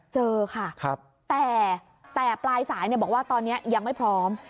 เจอค่ะแต่ปลายสายบอกว่าตอนนี้ยังไม่พร้อม